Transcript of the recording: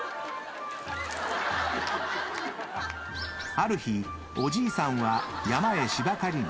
［ある日おじいさんは山へしば刈りに］